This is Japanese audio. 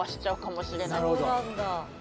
そうなんだ。